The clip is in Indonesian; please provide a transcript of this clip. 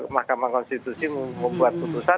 mahkamah konstitusi membuat putusan